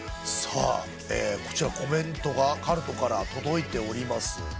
さあこちらコメントがＣＶＬＴＥから届いております。